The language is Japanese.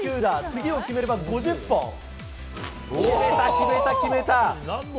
次を決めれば５０本。決めた、決めた、決めた。